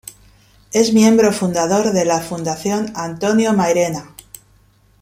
Es miembro fundador de la Fundación Antonio Mairena.